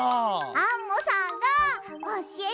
アンモさんがおしえてくれたの！